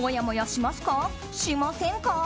しませんか？